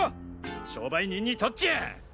商売人にとっちゃ！